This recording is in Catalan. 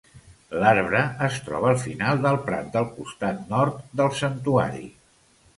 L'arbre es troba al final del prat del costat nord del santuari.